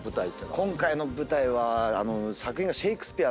今回の舞台はあの。